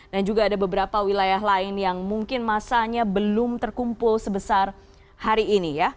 dan juga ada beberapa wilayah lain yang mungkin masanya belum terkumpul sebesar hari ini ya